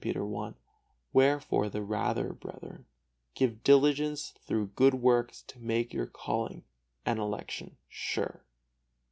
Peter i: "Wherefore the rather, brethren, give diligence through good works to make your calling and election sure."